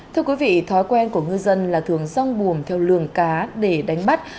thưa quý vị thói quen của ngư dân là thường rong buồm theo lường cá để đánh bắt